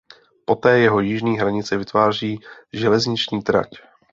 Poté jeho jižní hranice vytváří železniční trať.